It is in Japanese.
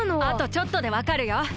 あとちょっとでわかるよ。